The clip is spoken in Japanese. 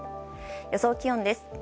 予想気温です。